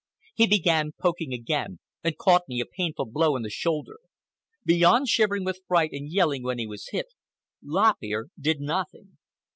He began poking again, and caught me a painful blow on the shoulder. Beyond shivering with fright and yelling when he was hit, Lop Ear did nothing.